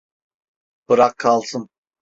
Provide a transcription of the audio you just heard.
Bırak kalsın.